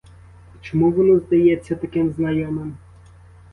І чому воно здається таким знайомим?